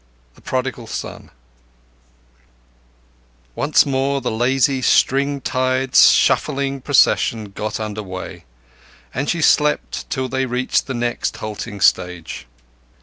The Prodigal Son. Once more the lazy, string tied, shuffling procession got under way, and she slept till they reached the next halting stage.